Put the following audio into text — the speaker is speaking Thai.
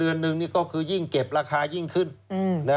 เดือนนึงนี่ก็คือยิ่งเก็บราคายิ่งขึ้น